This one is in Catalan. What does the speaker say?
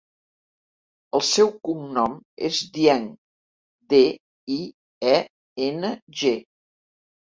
El seu cognom és Dieng: de, i, e, ena, ge.